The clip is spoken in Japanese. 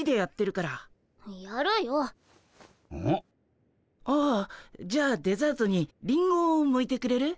あじゃあデザートにリンゴをむいてくれる？